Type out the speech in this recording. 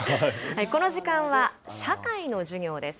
この時間は社会の授業です。